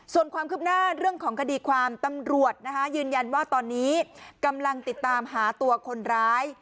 ส่วนความคืบหน้าเรื่องของคดีความตำรวจยืนยันว่าตอนนี้กำลังติดตามหาตัวคนร้าย